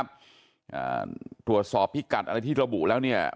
ตะบนลมเก่านะครับอ่าถัวสอบพี่กัดอะไรที่ระบุแล้วเนี่ย